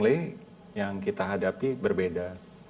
tapi yang kita hadapi berbeda